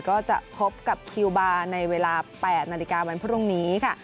ก็จะพบกับคิวบาร์ในเวลา๘นาฬิกาวันพรุ่งนี้ค่ะ